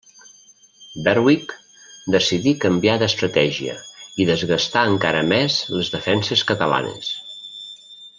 Berwick decidí canviar d'estratègia i desgastar encara més les defenses catalanes.